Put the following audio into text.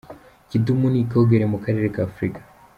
Kidum ni icyogere mu karere k’Afurika